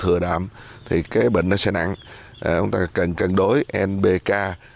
thừa đảm thì cái bệnh nó sẽ nặng chúng ta cần đối nbk